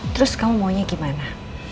terus kamu maunya gimana